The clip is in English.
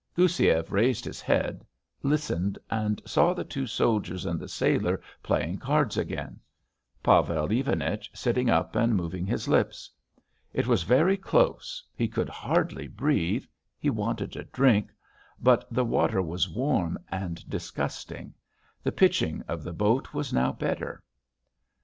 Goussiev raised his head, listened and saw the two soldiers and the sailor playing cards again; Pavel Ivanich sitting up and moving his lips. It was very close, he could hardly breathe, he wanted a drink, but the water was warm and disgusting.... The pitching of the boat was now better.